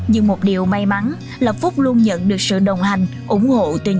nhưng một điều may mắn là phúc luôn nhận được sự đồng hành ủng hộ từ những người xung quanh